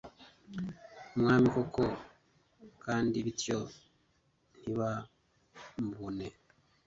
umwami koko, kandi bityo ntiba mubone